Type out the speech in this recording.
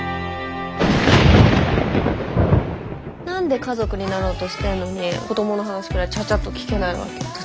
何で家族になろうとしてんのに子どもの話くらいちゃちゃっと聞けないわけ？